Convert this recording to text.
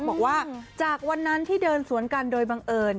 บอกว่าจากวันนั้นที่เดินสวนกันโดยบังเอิญ